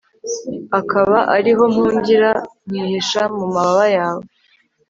akaba ari ho mpungira, nkihisha mu mababa yawe